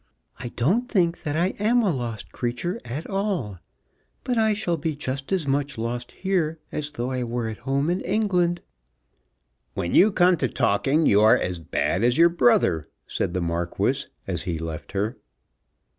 I don't think that I am a lost creature at all, but I shall be just as much lost here as though I were at home in England." "When you come to talking you are as bad as your brother," said the Marquis as he left her.